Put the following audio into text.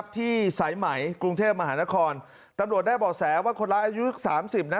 ที่สายไหมกรุงเทพมหานครตำรวจได้บ่อแสว่าคนร้ายอายุสามสิบนะ